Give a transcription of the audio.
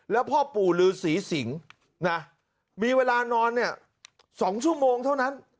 แล้วพ่อปู่ลือศรีสิงนะมีเวลานอนเนี่ย๒ชั่วโมงเท่านั้น